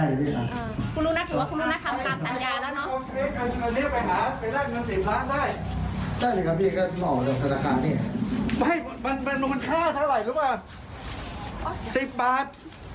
ไม่มันมันค่าเท่าไหร่หรือเปล่าสิบบาทเช็คมันละสิบบาท